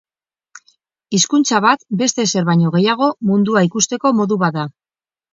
Hizkuntza bat, beste ezer baino gehiago, mundua ikusteko modu bat da.